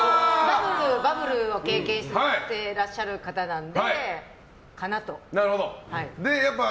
バブルを経験されてらっしゃる方なので、それかなと。